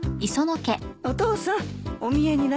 お父さんおみえになりました。